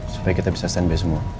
supaya kita bisa stand by semua